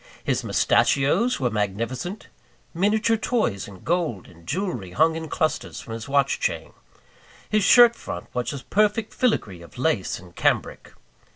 His mustachios were magnificent; miniature toys in gold and jewellery hung in clusters from his watch chain; his shirt front was a perfect filigree of lace and cambric.